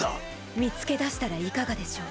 見つけ出したらいかがでしょう？